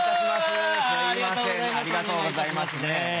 ありがとうございます。